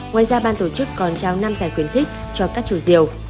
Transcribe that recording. ngoài ra ban tổ chức còn trao năm giải khuyến khích cho các chùa diều